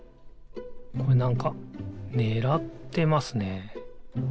これなんかねらってますね。